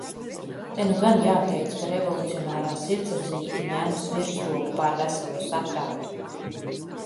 Te nu gan jāteic, ka revolucionārā sirdsapziņa ir ņēmusi virsroku pār veselo saprātu.